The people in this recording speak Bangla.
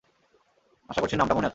আশা করি নামটা মনে আছে?